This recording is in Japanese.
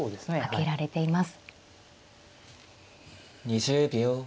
２０秒。